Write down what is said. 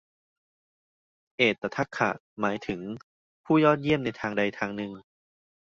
เอตทัคคะ หมายถึงผู้ยอดเยี่ยมในทางใดทางหนึ่ง